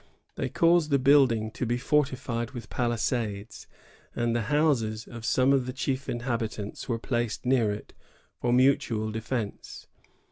They caused the building to be fortified with palisades, and the houses of some of the chief inhabitants were placed near it, for mutual defence.